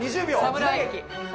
侍。